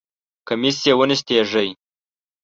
کمیس یې ونستېږی!